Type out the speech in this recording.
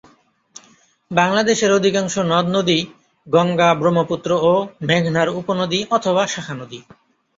বাংলাদেশের অধিকাংশ নদ নদী গঙ্গা, ব্রহ্মপুত্র ও মেঘনার উপনদী অথবা শাখা নদী।